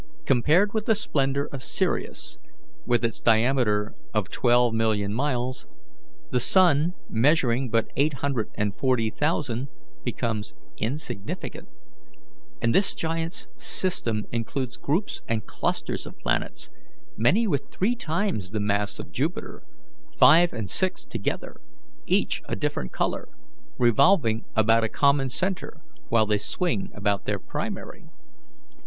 Compared with the splendour of Sirius, with its diameter of twelve million miles, the sun, measuring but eight hundred and forty thousand, becomes insignificant; and this giant's system includes groups and clusters of planets, many with three times the mass of Jupiter, five and six together, each a different colour, revolving about a common centre, while they swing about their primary.